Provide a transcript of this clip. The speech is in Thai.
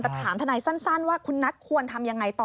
แต่ถามทนายสั้นว่าคุณนัทควรทำยังไงต่อ